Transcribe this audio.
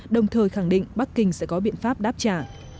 đồng thời khẳng định bắc kinh sẽ có biện pháp đáp trả